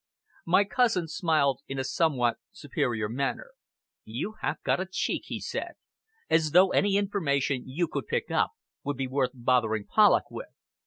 My cousin smiled in a somewhat superior manner. "You have got a cheek," he said. "As though any information you could pick up would be worth bothering Polloch with!"